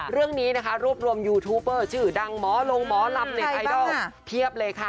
เรื่องนี้นะคะรวบรวมยูทูปเปอร์ชื่อดังหมอลงหมอลำเน็ตไอดอลเพียบเลยค่ะ